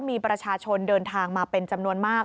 มีประชาชนเดินทางมาเป็นจำนวนมาก